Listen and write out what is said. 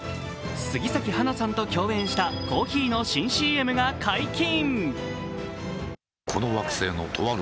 杉咲花さんと共演したコーヒーの新ＣＭが解禁。